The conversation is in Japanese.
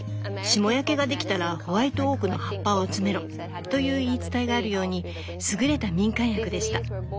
霜焼けができたらホワイトオークの葉っぱを集めろという言い伝えがあるようにすぐれた民間薬でした。